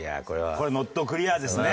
これノットクリアですね。